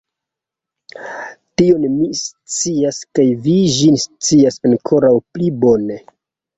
Tion mi scias, kaj vi ĝin scias ankoraŭ pli bone!